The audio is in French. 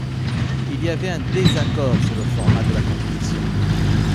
Il y avait un désaccord sur le format de la compétition.